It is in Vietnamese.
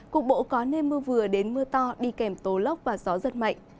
cục bộ có nền mưa vừa đến mưa to đi kèm tố lốc và gió rất mạnh